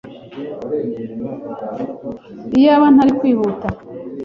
Iyaba ntari kwihuta!